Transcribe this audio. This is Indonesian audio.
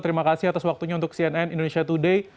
terima kasih atas waktunya untuk cnn indonesia today